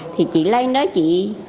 thì chị lây nó chị